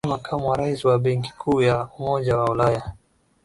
naye makamu wa rais wa benki kuu ya umoja wa ulaya